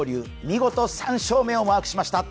見事３勝目をマークしました。